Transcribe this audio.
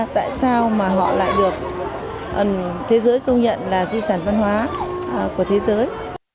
tại sao mà họ lại được thế giới công nhận là di sản văn hóa của thế giới